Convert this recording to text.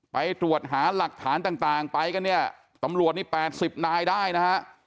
ไปตรวจหาหลักฐานต่างไปกันเนี่ยตำรวจนี่๘๐นายได้นะฮะ